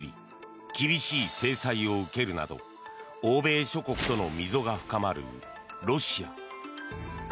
ウクライナ侵攻を巡り厳しい制裁を受けるなど欧米諸国との溝が深まるロシア。